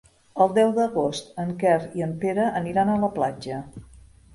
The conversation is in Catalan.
El deu d'agost en Quer i en Pere aniran a la platja.